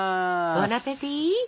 ボナペティ！